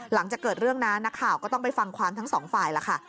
หลังจากเกิดเรื่องนะนักข่าวก็ต้องไปฟังความทั้งสองฝ่ายล่ะค่ะ